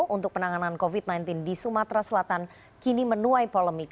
untuk penanganan covid sembilan belas di sumatera selatan kini menuai polemik